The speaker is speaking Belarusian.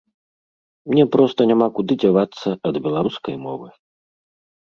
Мне проста няма куды дзявацца ад беларускай мовы.